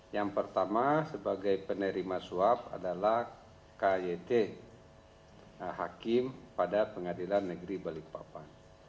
yang pertama sebagai penerima suap adalah kyt hakim pn balikpapan